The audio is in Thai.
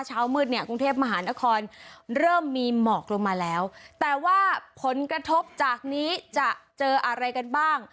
เช้ามืดเนี่ยกรุงเทพมหานครเริ่มมีหมอกลงมาแล้วแต่ว่าผลกระทบจากนี้จะเจออะไรกันบ้าง